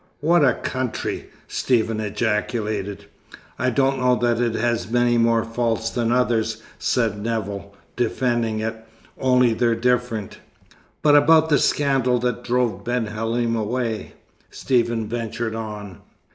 "What a country!" Stephen ejaculated. "I don't know that it has many more faults than others," said Nevill, defending it, "only they're different." "But about the scandal that drove Ben Halim away?" Stephen ventured on.